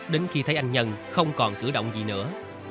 đến khi thấy anh nhân không còn cử động gì nữa